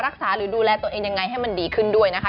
หรือดูแลตัวเองยังไงให้มันดีขึ้นด้วยนะคะ